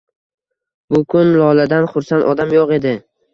Bu kun Loladan xursand odam yo`q edi